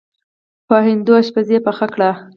په هندو اشپز یې پخه کړې.